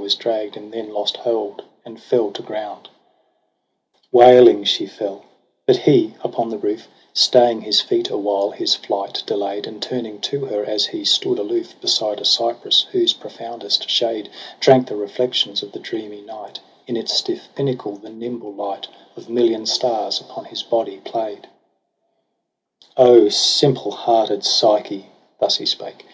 Was dragg'd, and then lost hold and fell to ground. Wailing she fell ; but he, upon the roof Staying his feet, awhile his flight delay'd : And turning to her as he stood aloof Beside a cypress, whose profoundest shade Drank the reflections of the dreamy night In its stiff pinnacle, the nimble light Of million stars upon his body play'd :' O simple hearted Psyche,' thus he spake.